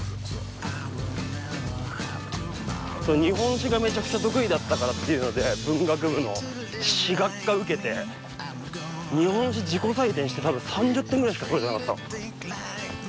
日本史がめちゃくちゃ得意だったからっていうので文学部の史学科受けて日本史自己採点して多分３０点ぐらいしか取れてなかったわ。